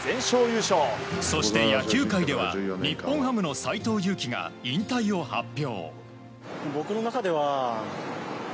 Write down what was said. そして、野球界では日本ハムの斎藤佑樹が引退を発表。